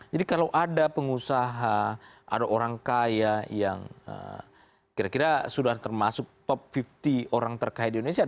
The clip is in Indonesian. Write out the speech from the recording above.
jadi kalau ada pengusaha ada orang kaya yang kira kira sudah termasuk top lima puluh orang terkaya di indonesia